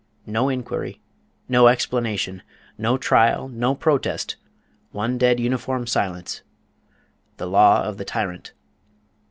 No inquiry, no explanation, no trial, no protest, one dead uniform silence, the law of the tyrant.